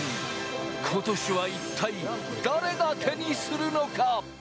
今年は一体、誰が手にするのか？